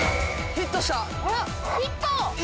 ヒット！